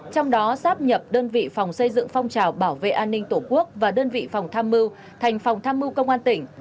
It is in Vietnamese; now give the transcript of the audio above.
trong đó sáp nhập đơn vị phòng xây dựng phong trào bảo vệ an ninh tổ quốc và đơn vị phòng tham mưu thành phòng tham mưu công an tỉnh